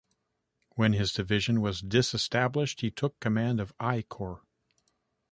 When his division was disestablished, he took command of I Corps.